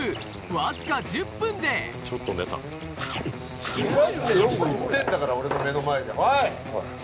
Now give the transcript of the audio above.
わずか１０分でマジで４合いってんだから俺の目の前でおい！